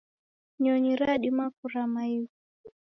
Nyonyi radima kurama ighu.